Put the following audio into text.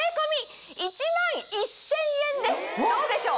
どうでしょう？